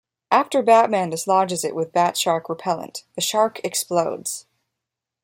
After Batman dislodges it with bat-shark repellent, the shark explodes.